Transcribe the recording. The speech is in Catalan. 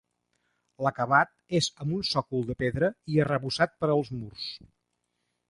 L'acabat és amb un sòcol de pedra i arrebossat per als murs.